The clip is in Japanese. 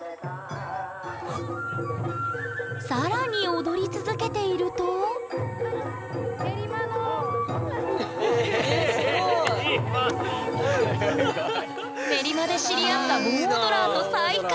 更に踊り続けていると練馬で知り合った盆オドラーと再会！